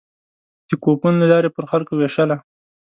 د کوپون له لارې پر خلکو وېشله.